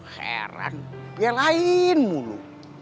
heran biar lain mulu